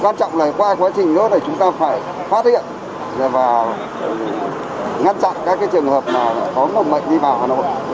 quan trọng là qua quá trình đó là chúng ta phải phát hiện và ngăn chặn các cái trường hợp mà có một mệnh đi vào hà nội